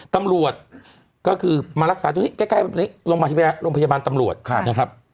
ตำรวจก็คือมารักษาใกล้โรงพยาบาลตำรวจ